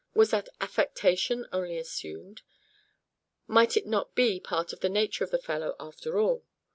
Was that affectation only assumed? Might it not be a part of the nature of the fellow after all?